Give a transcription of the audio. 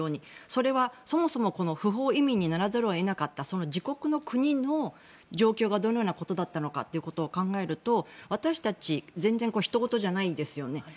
それはそもそもこの不法移民にならざるを得なかったその自国の国の状況がどのようなことだったのかと考えると私たち、全然ひと事じゃないですよね。